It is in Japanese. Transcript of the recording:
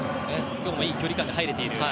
今日もいい距離感で入れていると。